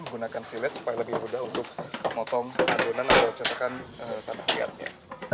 menggunakan silet supaya lebih mudah untuk motong adonan atau cetakan tanah liatnya